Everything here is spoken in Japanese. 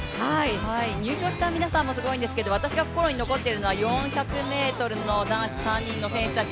入賞した皆さんもすごいんですけど、私が心に残っているのは４００ｍの男子３人の選手たち。